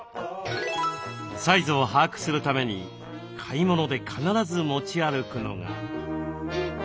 サイズを把握するために買い物で必ず持ち歩くのが。